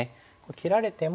切られても。